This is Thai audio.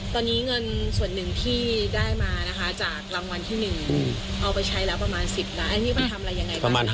ตอนนี้เงินส่วนหนึ่งที่ได้มานะคะจากรางวัลที่๑เอาไปใช้แล้วประมาณ๑๐ล้าน